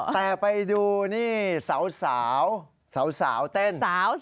แต่ไปดูนี่สาวสาวเต้น